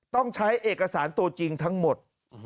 ต้องใช้เอกสารตัวจริงทั้งหมด